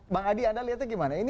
bang adi anda lihatnya gimana